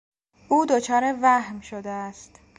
او دچار وهم شده است.